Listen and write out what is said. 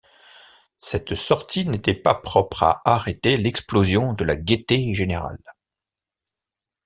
Cette sortie n’était pas propre à arrêter l’explosion de la gaieté générale.